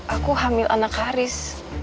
aku hamil anak haris